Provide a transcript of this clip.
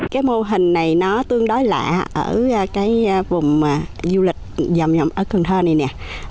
cái mô hình này nó tương đối lạ ở cái vùng du lịch giàu nhộm ở cần thơ này nè